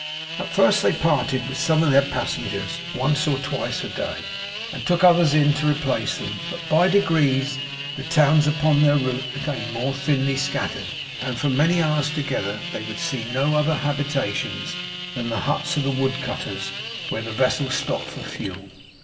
At first they parted with some of their passengers once or twice a day, and took in others to replace them. But by degrees, the towns upon their route became more thinly scattered; and for many hours together they would see no other habitations than the huts of the wood cutters, where the vessel stopped for fuel.